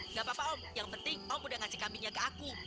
nggak apa apa om yang penting om udah ngasih kambingnya ke aku